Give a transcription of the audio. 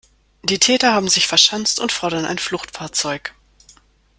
Die Täter haben sich verschanzt und fordern ein Fluchtfahrzeug.